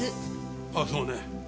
あっそうね。